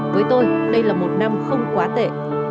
với tôi đây là một năm không quá tệ